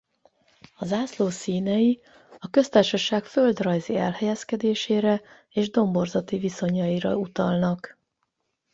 A zászló színei a köztársaság földrajzi elhelyezkedésére és domborzati viszonyaira utalnak.